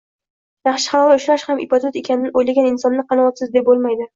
yaxshi, halol ishlash ham ibodat ekanini o'ylagan insonni qanoatsiz deb bo'lmaydi.